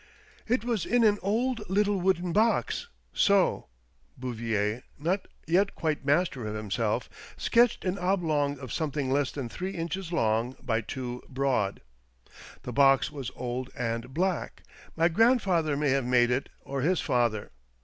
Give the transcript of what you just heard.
"It was in an old little wooden box — so." Bouvier, not yet quite master of himself, sketched an oblong of something less than three inches long by two broad. " The box was old and black — my grandfather may have made it, or his father.